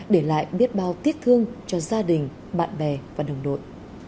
để lại biết bao tiếc thương cho gia đình bạn bè và đồng đội